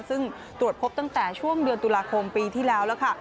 ซึ่งตรวจพบตั้งแต่ช่วงเดือนตุลาคมปีที่แล้วแล้วค่ะ